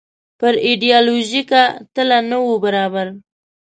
پر ایډیالوژیکه تله نه وو برابر.